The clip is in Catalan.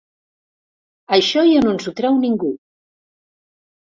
Això ja no ens ho treu ningú.